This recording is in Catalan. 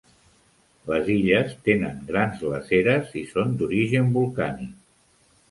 Les illes tenen grans glaceres i són d'origen volcànic.